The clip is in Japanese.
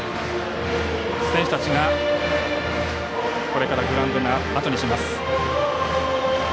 選手たちがグラウンドをあとにします。